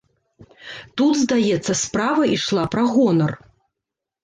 Тут, здаецца, справа ішла пра гонар.